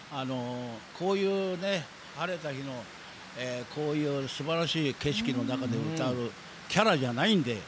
こういう晴れた日のすばらしい景色の中で歌うキャラじゃないんで。